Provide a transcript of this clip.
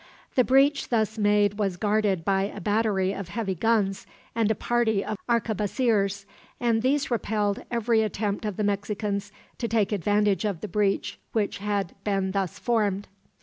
The breach thus made was guarded by a battery of heavy guns and a party of arquebusiers, and these repelled every attempt of the Mexicans to take advantage of the breach which had been thus formed.